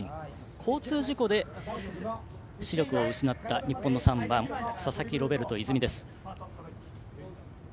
交通事故で視力を失った、日本の３番佐々木ロベルト泉。